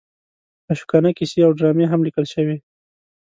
عاشقانه کیسې او ډرامې هم لیکل شوې.